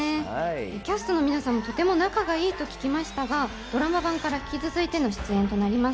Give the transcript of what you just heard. キャストの皆さんもとても仲がいいと聞きましたがドラマ版から引き続いての出演となります。